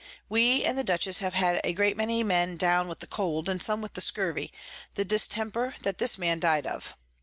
We and the Dutchess have had a great many Men down with the Cold, and some with the Scurvey; the Distemper that this Man died of.